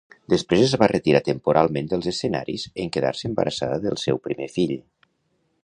Després es va retirar temporalment dels escenaris en quedar-se embarassada del seu primer fill.